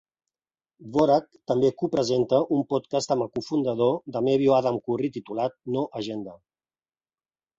Dvorak també copresenta un podcast amb el cofundador de Mevio Adam Curry titulat "No Agenda".